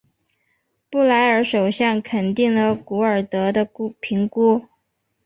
布莱尔首相肯定了古尔德的评估。